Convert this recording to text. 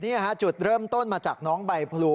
นี่ฮะจุดเริ่มต้นมาจากน้องใบพลู